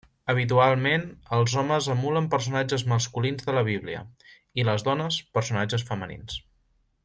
Habitualment els homes emulen personatges masculins de la Bíblia, i les dones, personatges femenins.